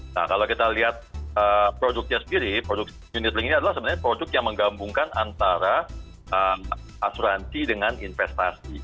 nah kalau kita lihat produknya sendiri produksi unit link ini adalah sebenarnya produk yang menggabungkan antara asuransi dengan investasi